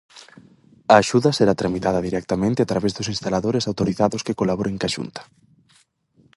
A axuda será tramitada directamente a través dos instaladores autorizados que colaboren coa Xunta.